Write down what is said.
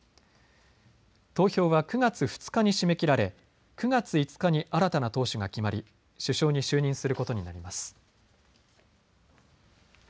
投票は９月２日に締め切られ９月５日に新たな党首が決まり首相に就任することになります。